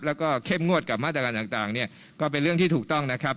แล้วก็เข้มงวดกับมาตรการต่างเนี่ยก็เป็นเรื่องที่ถูกต้องนะครับ